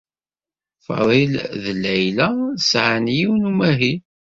Faḍil d Layla sɛan yiwen n umahil.